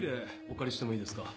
お借りしてもいいですか？